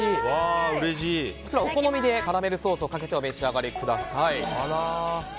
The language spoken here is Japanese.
お好みでカラメルソースをかけてお召し上がりください。